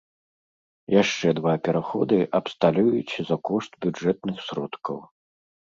Яшчэ два пераходы абсталююць за кошт бюджэтных сродкаў.